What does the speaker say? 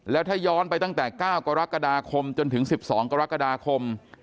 แล้วถ้าย้อนไปตั้งแต่๙กรกฎาคมจนถึง๑๒กรกฎาคม